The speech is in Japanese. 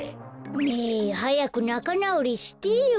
ねえはやくなかなおりしてよ。